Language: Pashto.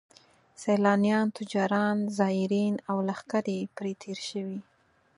سیلانیان، تجاران، زایرین او لښکرې پرې تېر شوي.